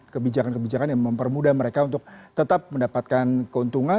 kebijakan kebijakan yang mempermudah mereka untuk tetap mendapatkan keuntungan